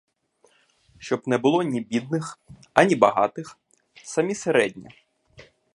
Щоб не було ні бідних, ані багатих, самі середні.